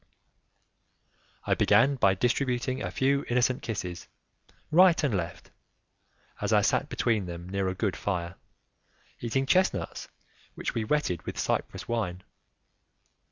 I began by distributing a few innocent kisses right and left, as I sat between them near a good fire, eating chestnuts which we wetted with Cyprus wine.